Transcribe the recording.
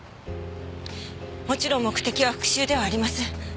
もちろん目的は復讐ではありません。